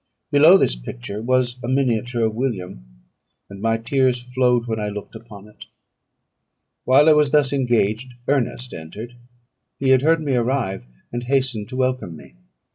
Below this picture was a miniature of William; and my tears flowed when I looked upon it. While I was thus engaged, Ernest entered: he had heard me arrive, and hastened to welcome me.